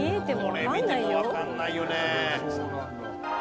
これ見てもわかんないよね。